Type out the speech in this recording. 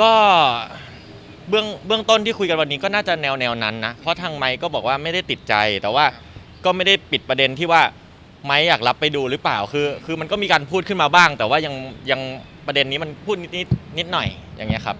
ก็เบื้องต้นที่คุยกันวันนี้ก็น่าจะแนวนั้นนะเพราะทางไมค์ก็บอกว่าไม่ได้ติดใจแต่ว่าก็ไม่ได้ปิดประเด็นที่ว่าไม้อยากรับไปดูหรือเปล่าคือมันก็มีการพูดขึ้นมาบ้างแต่ว่ายังประเด็นนี้มันพูดนิดหน่อยอย่างนี้ครับ